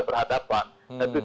tidak ada hadapan